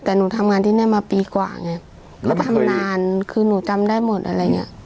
แต่หนูทำงานที่นี่มาปีกว่าไงก็ทำนานคือหนูจำได้หมดอะไรอย่างเงี้ย